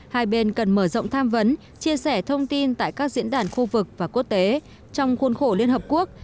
hai bên cần mở rộng tham vấn chia sẻ thông tin tại các diễn đàn khu vực và quốc tế trong khuôn khổ liên hợp quốc